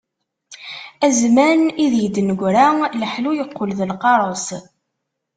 A zzman ideg d-negra, leḥlu yeqqel d lqareṣ.